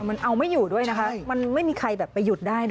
มันเอาไม่อยู่ด้วยนะคะมันไม่มีใครแบบไปหยุดได้นะ